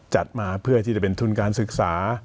จัดมาเพื่อที่จะเป็นทุนการศึกษา